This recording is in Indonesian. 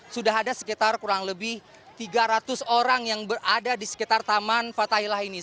sudah ada sekitar kurang lebih tiga ratus orang yang berada di sekitar taman fatahilah ini